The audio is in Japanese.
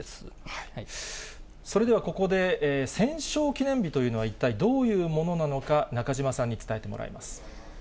それではここで、戦勝記念日というのは一体どういうものなのか、中島さんに伝えてもらいます。